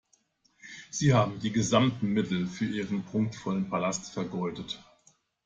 Sie haben die gesamten Mittel für Ihren prunkvollen Palast vergeudet.